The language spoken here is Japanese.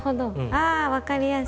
あ分かりやすい。